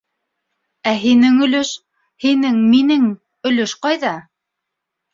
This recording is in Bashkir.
Ә һинең өлөш? һинең, минең өлөш ҡайҙа?!